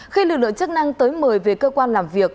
khi lực lượng chức năng tới mời về cơ quan làm việc